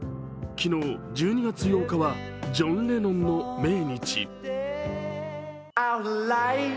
昨日、１２月８日はジョン・レノンの命日。